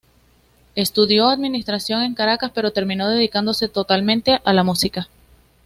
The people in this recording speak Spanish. Estudio administración en Caracas, pero terminó dedicándose totalmente a las música.